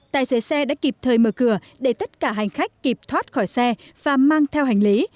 tài xế xe đã kịp thời mở cửa để tất cả hành khách kịp thoát khỏi xe và mang theo hành lý